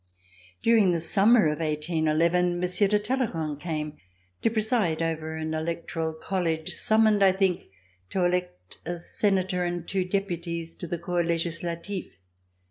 During the summer of 1811, Monsieur de Talley rand came to preside over an electoral college, sum moned I think to elect a senator and two deputies to the Corps Legislatif.